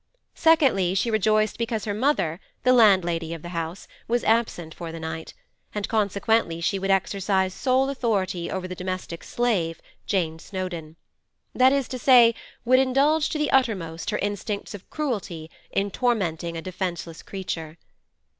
Secondly, she rejoiced because her mother, the landlady of the house, was absent for the night, and consequently she would exercise sole authority over the domestic slave, Jane Snowdon—that is to say, would indulge to the uttermost her instincts of cruelty in tormenting a defenceless creature.